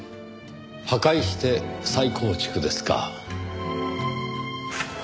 破壊して再構築ですか。